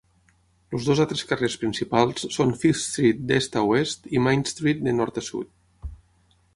Els dos altres carrers principals són Fifth Street d"est a oest i Main Street de nord a sud.